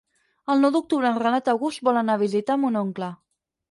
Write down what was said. El nou d'octubre en Renat August vol anar a visitar mon oncle.